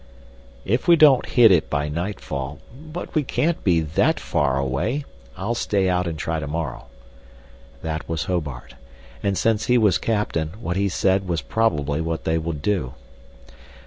" if we don't hit it by nightfall But we can't be that far away! I'll stay out and try tomorrow." That was Hobart. And since he was captain what he said was probably what they would do.